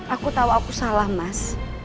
aku tahu aku salah mas